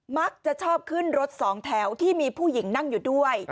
มักจะชอบขึ้นรถสองแถวที่มีผู้หญิงนั่งอยู่ด้วย